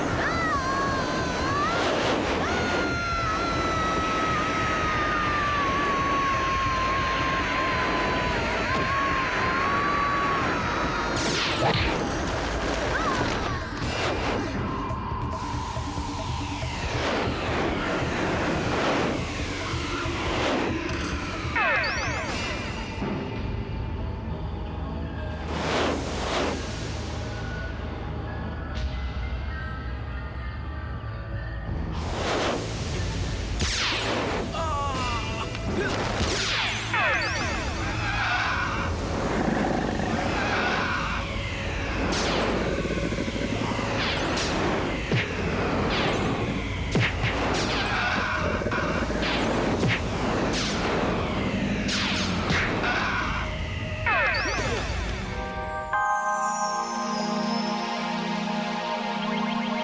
dasar siluman kau